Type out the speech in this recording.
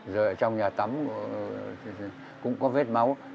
rồi ở trong nhà tắm cũng có vết máu